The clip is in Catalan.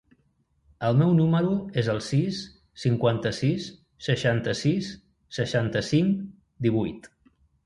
El meu número es el sis, cinquanta-sis, seixanta-sis, seixanta-cinc, divuit.